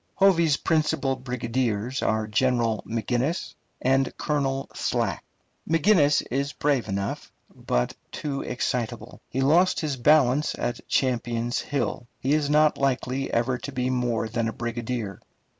Hovey's principal brigadiers are General McGinnis and Colonel Slack. McGinnis is brave enough, but too excitable. He lost his balance at Champion's Hill. He is not likely ever to be more than a brigadier.